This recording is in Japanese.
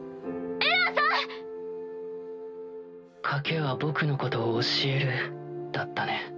賭けは僕のことを教えるだったね。